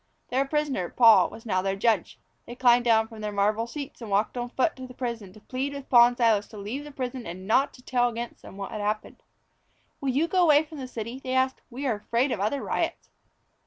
Their prisoner, Paul, was now their judge. They climbed down from their marble seats and walked on foot to the prison to plead with Paul and Silas to leave the prison and not to tell against them what had happened. "Will you go away from the city?" they asked. "We are afraid of other riots."